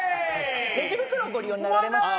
レジ袋ご利用になられますか？